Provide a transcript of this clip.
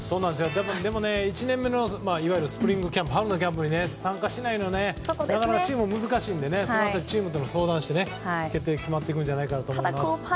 でも、１年目のいわゆるスプリングキャンプ春のキャンプに参加しないのはなかなかチームとしても難しいので、チームと相談して決まってくるんじゃないかと思います。